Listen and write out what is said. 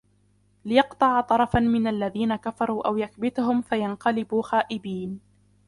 لِيَقْطَعَ طَرَفًا مِنَ الَّذِينَ كَفَرُوا أَوْ يَكْبِتَهُمْ فَيَنْقَلِبُوا خَائِبِينَ